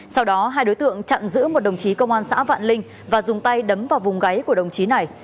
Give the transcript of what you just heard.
sau đó hai đối tượng chặn giữ một đồng chí công an xã vạn linh và dùng tay đấm vào vùng gáy của đồng chí này